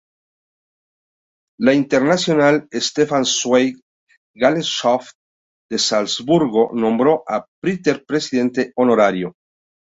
La Internationale-Stefan-Zweig-Gesellschaft de Salzburgo nombró a Prater Presidente Honorario.